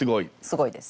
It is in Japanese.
すごいです。